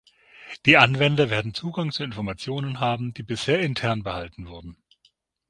Die Anwender werden Zugang zu Informationen haben, die bisher intern behalten wurden.